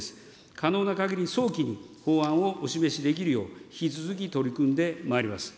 可能なかぎり、早期に法案をお示しできるよう、引き続き取り組んでまいります。